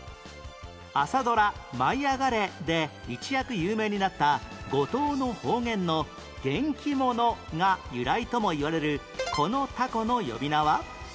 朝ドラ『舞いあがれ！』で一躍有名になった五島の方言の「元気者」が由来ともいわれるこの凧の呼び名は？